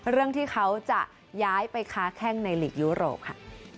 เรื่องที่เขาจะย้ายไปค้าแข้งในหลีกยุโรปค่ะ